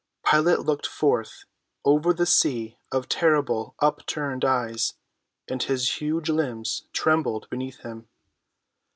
Pilate looked forth over the sea of terrible upturned eyes, and his huge limbs trembled beneath him.